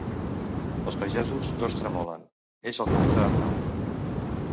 Els pagesos tots tremolen... «És el comte Arnau!»